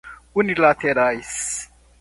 unilaterais